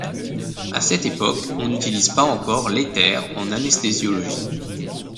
À cette époque, on n'utilise pas encore l’éther en anesthésiologie.